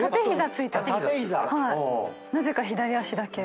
なぜか左足だけ。